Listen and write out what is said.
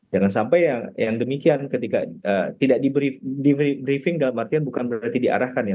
jangan sampai yang demikian ketika tidak diberi briefing dalam artian bukan berarti diarahkan ya